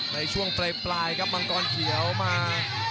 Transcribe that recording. ในช่วงปลายครับมังกรเขียวมา